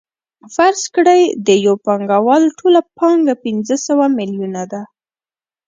فرض کړئ د یو پانګوال ټوله پانګه پنځه سوه میلیونه ده